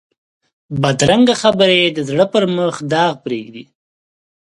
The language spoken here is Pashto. بدرنګه خبرې د زړه پر مخ داغ پرېږدي